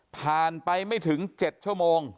ผ่านไปไม่ถึง๗ชั่วโมง